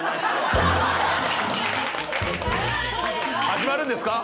始まるんですか？